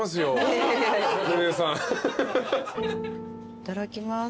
いただきます。